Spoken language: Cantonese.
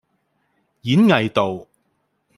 演藝道